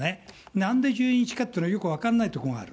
なんで１２日かっていうのは、よく分かんないところがある。